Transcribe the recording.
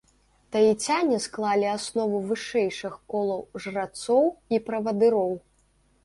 Таіцяне склалі аснову вышэйшых колаў жрацоў і правадыроў.